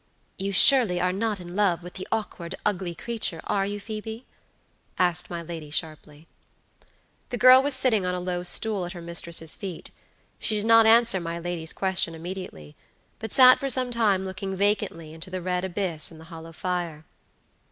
"You surely are not in love with the awkward, ugly creature are you, Phoebe?" asked my lady sharply. The girl was sitting on a low stool at her mistress feet. She did not answer my lady's question immediately, but sat for some time looking vacantly into the red abyss in the hollow fire.